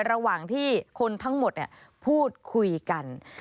ระหว่างที่คนทั้งหมดพูดคุยกัน